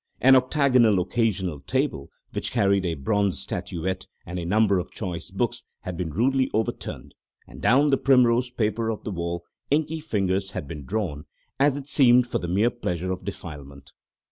An octagonal occasional table, which carried a bronze statuette and a number of choice books, had been rudely overturned, and down the primrose paper of the wall inky fingers had been drawn, as it seemed for the mere pleasure of defilement.